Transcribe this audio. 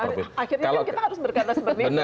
akhirnya kita harus berkata seperti itu kan